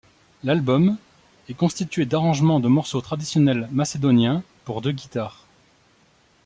L'album est constitué d'arrangements de morceaux traditionnels macédoniens pour deux guitares.